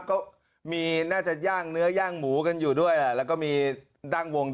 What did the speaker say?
จิจิเรื่องจิจิละกัน๐๓